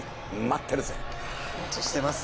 お待ちしてます。